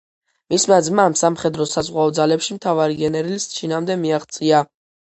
მისმა ძმამ სამხედრო-საზღვაო ძალებში მთავარი გენერლის ჩინამდე მიაღწია.